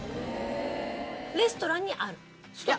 レストランにあるの？